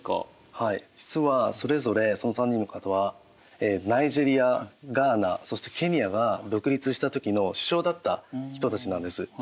実はそれぞれその３人の方はナイジェリアガーナそしてケニアが独立した時の首相だった人たちなんです。